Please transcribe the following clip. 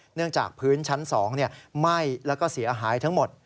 เนื่องจากพื้นชั้น๒ไหม้แล้วก็เสียหายทั้งหมด